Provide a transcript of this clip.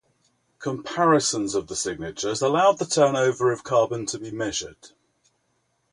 Comparisons of the signatures allowed the turnover of carbon to be measured.